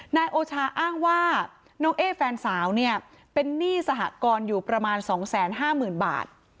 นายโอชาอ้างว่าน้องเอ๊แฟนสาวเนี่ยเป็นหนี้สหกรอยู่ประมาณ๒๕๐๐๐บาท